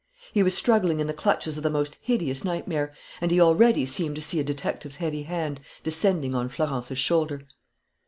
He was struggling in the clutches of the most hideous nightmare; and he already seemed to see a detective's heavy hand descending on Florence's shoulder.